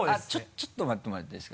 ちょっと待ってもらっていいです？